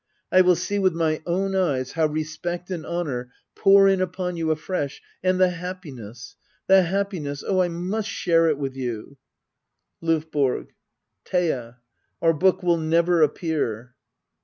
I will see with my own eyes how respect and honour pour in upon you afresh. And the happiness — the happiness — oh, I must share it with you I LdVBORO. Thea — our book will never appear.